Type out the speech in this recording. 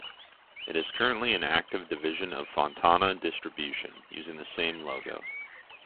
It is currently an active division of Fontana Distribution, using the same logo.